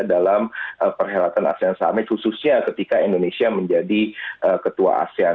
dalam perhelatan asean summit khususnya ketika indonesia menjadi ketua asean